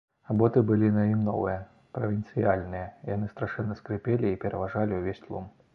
А боты былі на ім новыя, правінцыяльныя, яны страшэнна скрыпелі і пераважалі ўвесь тлум.